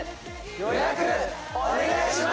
予約お願いします！